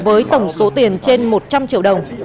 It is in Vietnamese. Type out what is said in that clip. với tổng số tiền trên một trăm linh triệu đồng